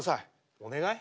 お願い？